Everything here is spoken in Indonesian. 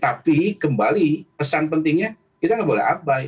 tapi kembali pesan pentingnya kita nggak boleh abai